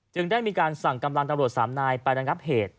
ได้มีการสั่งกำลังตำรวจสามนายไประงับเหตุ